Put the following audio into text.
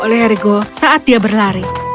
oleh ergo saat dia berlari